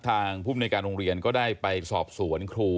ทางผู้บุญในการโรงเรียนก็ได้ไปสอบสวนครู